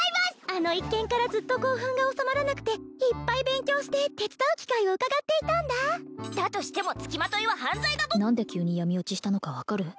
あの一件からずっと興奮が収まらなくていっぱい勉強して手伝う機会をうかがっていたんだだとしてもつきまといは犯罪だぞ何で急に闇堕ちしたのか分かる？